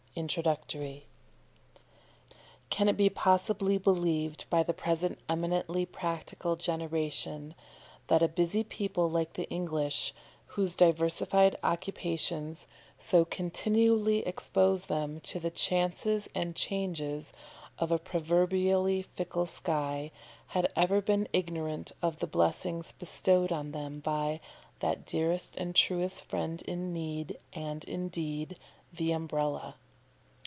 INTRODUCTORY. Can it be possibly believed, by the present eminently practical generation, that a busy people like the English, whose diversified occupations so continually expose them to the chances and changes of a proverbially fickle sky, had ever been ignorant of the blessings bestowed on them by that dearest and truest friend in need and in deed, the UMBRELLA?